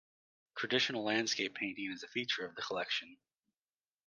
Traditional landscape painting is a feature of the collection.